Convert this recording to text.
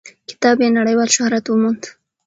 کتاب یې نړیوال شهرت وموند.